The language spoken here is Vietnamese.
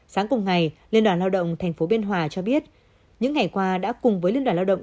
sáng cùng ngày liên đoàn lao động tp biên hòa cho biết những ngày qua đã cùng với liên đoàn lao động